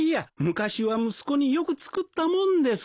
昔は息子によく作ったもんです。